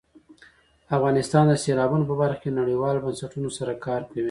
افغانستان د سیلابونه په برخه کې نړیوالو بنسټونو سره کار کوي.